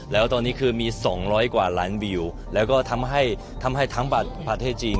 แล้วตอนนี้คือมี๒๐๐กว่าล้านวิวแล้วก็ทำให้ทั้งประเทศจีน